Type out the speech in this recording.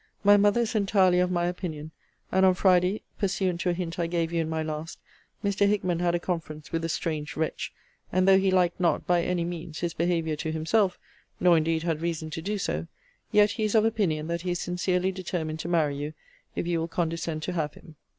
My mother is entirely of my opinion: and on Friday, pursuant to a hint I gave you in my last, Mr. Hickman had a conference with the strange wretch: and though he liked not, by any means, his behaviour to himself; nor indeed, had reason to do so; yet he is of opinion that he is sincerely determined to marry you, if you will condescend to have him.